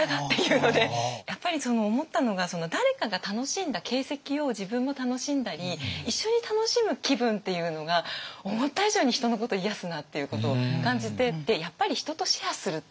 やっぱり思ったのが誰かが楽しんだ形跡を自分も楽しんだり一緒に楽しむ気分っていうのが思った以上に人のこと癒やすなっていうことを感じて。